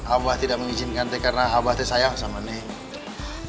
abah tidak mengijinkan teh karena abah teh sayang sama neng